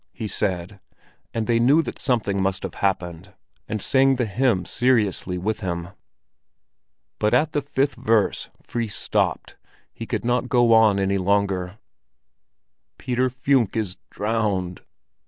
he said; and they knew that something must have happened, and sang the hymn seriously with him. But at the fifth verse Fris stopped; he could not go on any longer. "Peter Funck is drowned!"